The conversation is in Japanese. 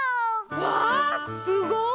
わあすごい！